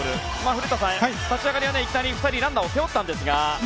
古田さん、立ち上がりはいきなりランナーを２人背負ったんですが。